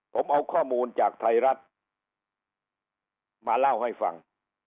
ผมเอาข้อมูลจากไทยรัฐมาเล่าให้ฟัง